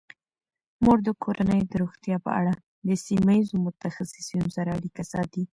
مور د کورنۍ د روغتیا په اړه د سیمه ایزو متخصصینو سره اړیکه ساتي.